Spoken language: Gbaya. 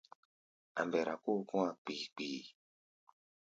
A̧ mbɛra kóo kɔ̧́-a̧ kpii-kpii.